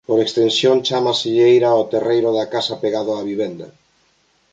Por extensión chámaselle eira ao terreiro da casa pegado á vivenda.